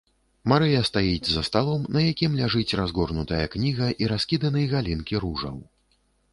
Марыя стаіць за сталом, на якім ляжыць разгорнутая кніга і раскіданы галінкі ружаў.